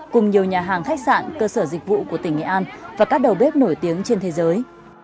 cùng nhiều nhà hàng khách sạn cơ sở dịch vụ của tỉnh nghệ an và các đầu bếp nổi tiếng trên thế giới